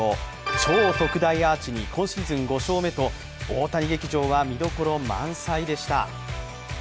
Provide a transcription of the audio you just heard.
超特大アーチに、今シーズン５勝目と大谷劇場は見どころ満載でした。